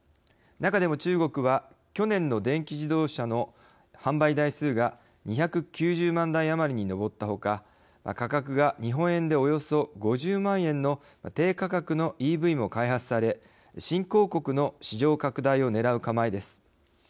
中でも中国は去年の電気自動車の販売台数が２９０万台余りに上ったほか価格が日本円でおよそ５０万円の低価格のＥＶも開発され新興国の市場拡大をねらう構えです。